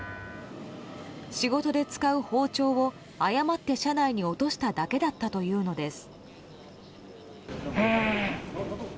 仕事で使う包丁を、誤って車内に落としただけだったというのです。